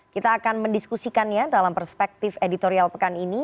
kita akan mendiskusikannya dalam perspektif editorial pekan ini